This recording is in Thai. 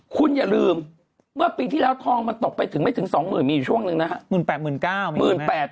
คุณอย่าลืมเมื่อปีที่แล้วทองมันตกไปถึงไม่ถึง๒๐๐๐มีอยู่ช่วงหนึ่งนะครับ